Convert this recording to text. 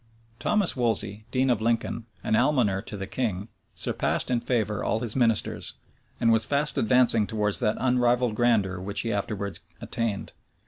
Thomas Wolsey, dean of Lincoln, and almoner to the king, surpassed in favor all his ministers, and was fast advancing towards that unrivalled grandeur which he afterwards attained.